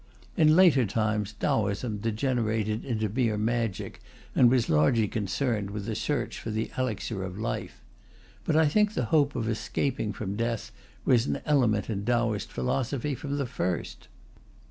In later times Taoism degenerated into mere magic, and was largely concerned with the search for the elixir of life. But I think the hope of escaping from death was an element in Taoist philosophy from the first.